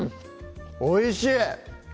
おいしい！